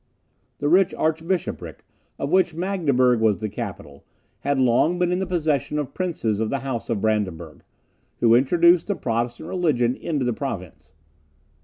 The rich archbishopric, of which Magdeburg was the capital, had long been in the possession of princes of the house of Brandenburg, who introduced the Protestant religion into the province.